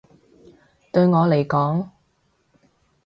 對我嚟講